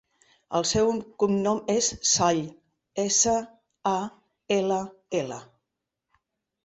El seu cognom és Sall: essa, a, ela, ela.